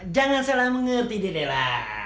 jangan salah mengerti di lela